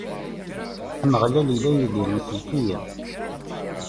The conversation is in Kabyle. Ameɣlal illa yid-i, ittsellik-iyi.